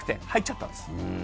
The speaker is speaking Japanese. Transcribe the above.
入っちゃったんです。